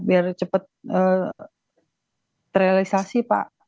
biar cepat terrealisasi pak